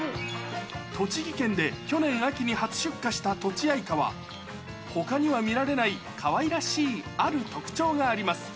栃木県で去年秋に初出荷したとちあいかは、ほかには見られない、かわいらしいある特徴があります。